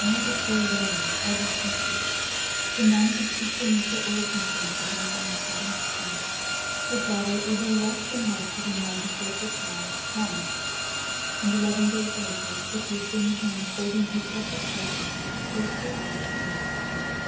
And let ns go alone, I beseeeh you; for none could speak for me so elo quently as my own silent self." THE ADVENTURES OF LAUNCELOT 91 Her father, able less than ever to deny his wilful child, promised; and eleven daj s later, with her thin hand holding her precious letter, she closed her eyes for the last time.